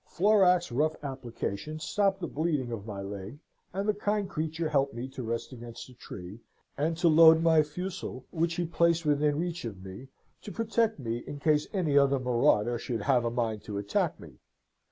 "Florac's rough application stopped the bleeding of my leg, and the kind creature helped me to rest against a tree, and to load my fusil, which he placed within reach of me, to protect me in case any other marauder should have a mind to attack me.